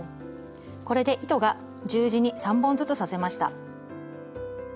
これで糸が十字に３本ずつ刺せました。